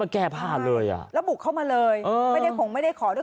แก้ผ้าเลยอ่ะแล้วบุกเข้ามาเลยเออไม่ได้คงไม่ได้ขอด้วย